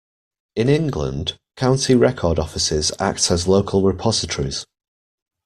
In England, County Record Offices act as local repositories.